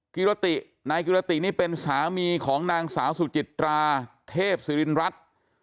กิรตินายกิรตินี่เป็นสามีของนางสาวสุจิตราเทพศิรินรัฐ